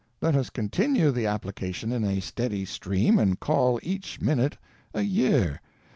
Let us continue the application in a steady stream, and call each minute a year.